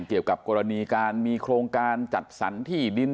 เกี่ยวกับกรณีการมีโครงการจัดสรรที่ดิน